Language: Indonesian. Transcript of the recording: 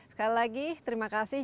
sekali lagi terima kasih